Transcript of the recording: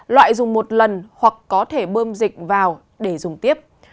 loại dùng một lần hoặc có thể bơm dịch vào để dùng tiếp